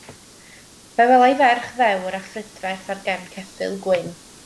Fe welai ferch ddewr a phrydferth ar gefn ceffyl gwyn.